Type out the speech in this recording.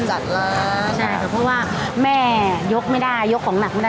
ใช่เพราะว่าแม่ยกไม่ได้ยกของหนักไม่ได้